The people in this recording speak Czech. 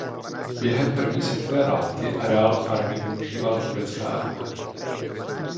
Během první světové války areál farmy využívala turecká armáda.